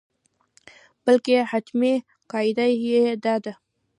بلکې حتمي قاعده یې دا ده.